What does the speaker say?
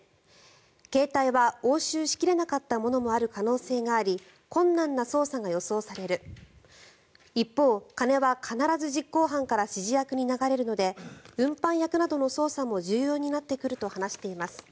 携帯は押収し切れなかったものもある可能性があり困難な捜査が予想される一方、金は必ず実行犯から指示役に流れるので運搬役などの捜査も重要になってくると話しています。